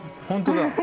ほんとだ。